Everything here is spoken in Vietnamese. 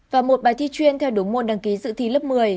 và một bài thi chuyên theo đúng môn đăng ký dự thi lớp một mươi